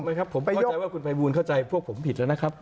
ผมเข้าใจว่าคุณไฟวูลเข้าใจพวกผมผิดแล้วนะครับ